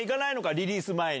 リリース前に。